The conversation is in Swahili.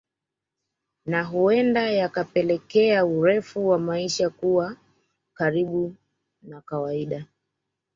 Na huenda yakapelekea urefu wa maisha kuwa karibu na kawaida